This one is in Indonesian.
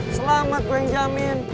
selamat gue yang jamin